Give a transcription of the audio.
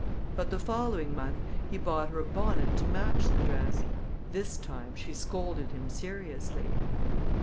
But the following month he bought her a bonnet to match the dress. This time, she scolded him seriously.